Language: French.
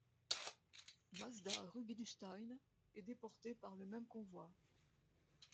Masda Rubinsztein est déportée par le même convoi.